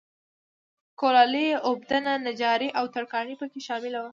کولالي، اوبدنه، نجاري او ترکاڼي په کې شامل وو